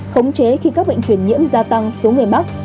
khống chế khi các bệnh truyền nhiễm gia tăng số người mắc